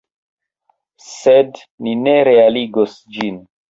Sed ni ne realigos ĝin.